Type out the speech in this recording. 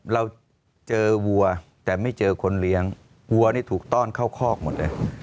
เราเจอวัวแต่ไม่เจอคนเลี้ยงวัวนี่ถูกต้อนเข้าคอกหมดเลย